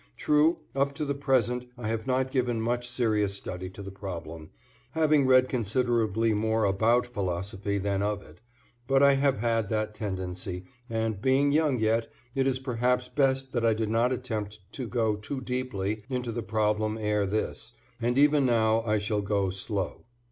True, up to the present I have not given much serious study to the problem, having read considerably more about philosophy than of it, but I have had that tendency, and, being young yet, it is perhaps best that I did not attempt to go too deeply into the problem ere this, and even now I shall go slow.